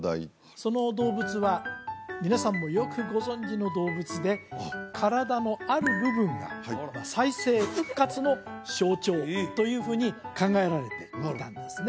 その動物は皆さんもよくご存じの動物で体のある部分が再生復活の象徴というふうに考えられていたんですね